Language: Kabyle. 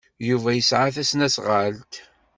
Yuba yesɛa tasnasɣalt.